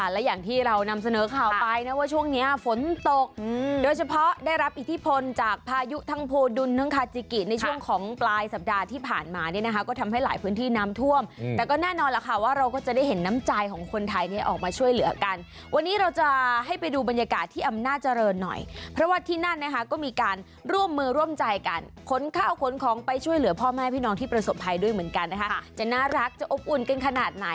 และอย่างที่เรานำเสนอข่าวไปนะว่าช่วงนี้ฝนตกโดยเฉพาะได้รับอิทธิพลจากพายุทังโพดุลนึงคาจิกิในช่วงของปลายสัปดาห์ที่ผ่านมาเนี่ยนะคะก็ทำให้หลายพื้นที่น้ำท่วมแต่ก็แน่นอนล่ะค่ะว่าเราก็จะได้เห็นน้ำใจของคนไทยเนี่ยออกมาช่วยเหลือกันวันนี้เราจะให้ไปดูบรรยากาศที่อำนาจริงหน่อยเพราะว่าที่นั่น